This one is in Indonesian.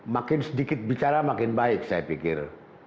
makin sedikit bicara makin baik saya pikir